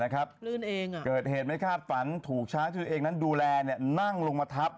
เกิดเหตุไม่คาดฝันถูกช้างที่ตัวเองนั้นดูแลนั่งลงมาทับ